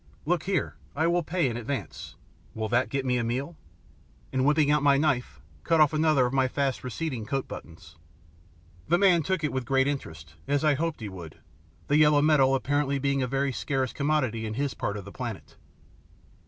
Look here, I will pay in advance. Will that get me a meal?" and, whipping out my knife, cut off another of my fast receding coat buttons. The man took it with great interest, as I hoped he would, the yellow metal being apparently a very scarce commodity in his part of the planet.